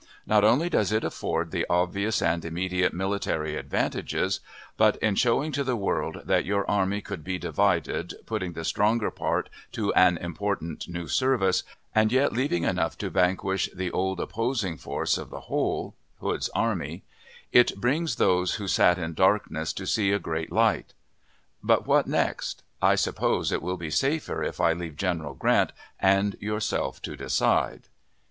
Not only does it afford the obvious and immediate military advantages, but, in showing to the world that your army could be divided, putting the stronger part to an important new service, and yet leaving enough to vanquish the old opposing force of the whole, Hood's army, it brings those who sat in darkness to see a great light. But what next? I suppose it will be safer if I leave General Grant and yourself to decide.